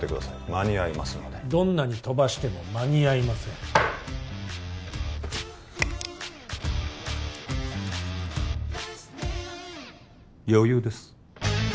間に合いますのでどんなに飛ばしても間に合いません余裕です